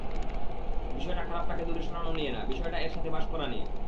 বিষয়টা খারাপটাকে দূরে সরানো নিয়ে না, বিষয়টা এর সাথে বাস করা নিয়ে।